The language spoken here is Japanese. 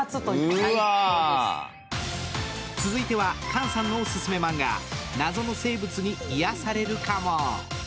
続いては菅さんのおすすめマンガ謎の生物に癒やされるかも。